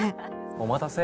お待たせ。